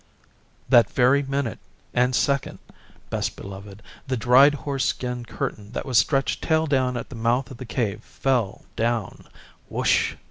That very minute and second, Best Beloved, the dried horse skin Curtain that was stretched tail down at the mouth of the Cave fell down whoosh!